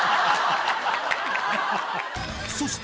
そして